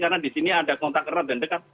karena di sini ada kontak erat dan dekat